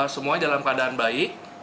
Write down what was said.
semua dalam keadaan baik